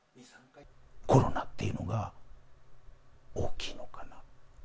コロナっていうのが大きいのかなと。